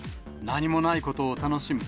何もないことを楽しむ。